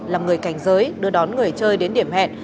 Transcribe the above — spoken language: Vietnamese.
làm người cảnh giới đưa đón người chơi đến điểm hẹn